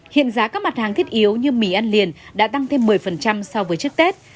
hiện giá các mặt hàng thiết yếu như mì ăn liền đã tăng thêm một mươi so với trước tết